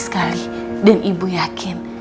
sekali dan ibu yakin